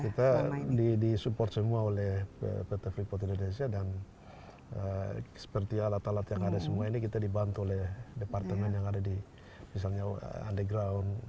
kita disupport semua oleh pt freeport indonesia dan seperti alat alat yang ada semua ini kita dibantu oleh departemen yang ada di misalnya underground